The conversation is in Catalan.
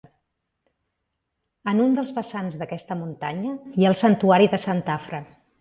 En un dels vessants d'aquesta muntanya hi ha el santuari de Santa Afra.